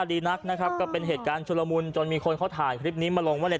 ดีนักนะครับก็เป็นเหตุการณ์ชุลมุนจนมีคนเขาถ่ายคลิปนี้มาลงว่าใน